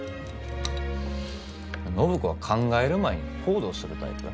暢子は考える前に行動するタイプ。